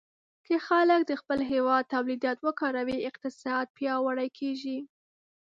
که خلک د خپل هېواد تولیدات وکاروي، اقتصاد پیاوړی کېږي.